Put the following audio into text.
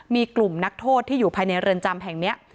มีกลุ่มนักโทษที่อยู่ภายในเรือนจำแห่งนี้